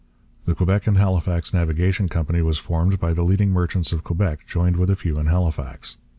The Quebec and Halifax Navigation Company was formed by the leading merchants of Quebec joined with a few in Halifax.